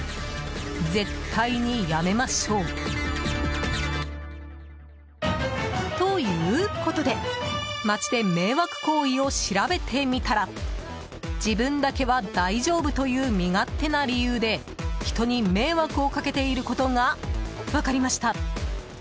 絶対にやめましょう。ということで街で迷惑行為を調べてみたら自分だけは大丈夫という身勝手な理由で人に迷惑をかけていることが分かりました。